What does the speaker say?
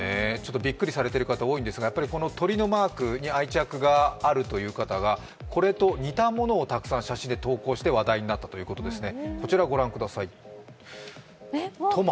びっくりされてる方、多いんですが鳥のマークに愛着があるという方がこれと似たものをたくさん写真で投稿して話題になったということですね。